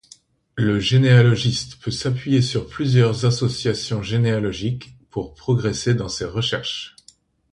Le généalogiste peut s'appuyer sur plusieurs associations généalogiques pour progresser dans ses recherches.